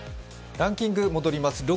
ランキング戻ります。